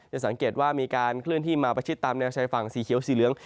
สังเกตว่ามีการเคลื่อนที่มาประชิดตามแนวชายฝั่งสีเขียวสีเหลือง